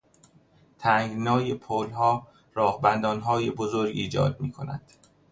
تنگنای پلها راه بندانهای بزرگی ایجاد میکند.